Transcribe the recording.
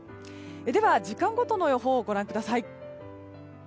では、時間ごとの予報をご覧ください。